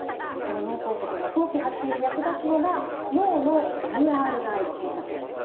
その脳梗塞の早期発見に役立つのが脳のＭＲＩ検査です。